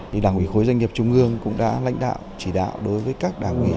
thì đảng ủy khối doanh nghiệp trung ương cũng đã lãnh đạo chỉ đạo đối với các đảng ủy